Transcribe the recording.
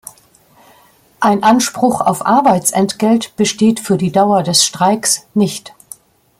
Ein Anspruch auf Arbeitsentgelt besteht für die Dauer des Streiks nicht.